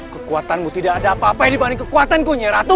kekuatanmu tidak ada apa apa dibanding kekuatanku nyeratu